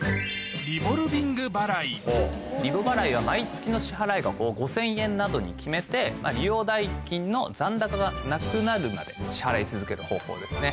リボ払いは毎月の支払い額を５０００円などに決めて利用代金の残高がなくなるまで支払い続ける方法ですね。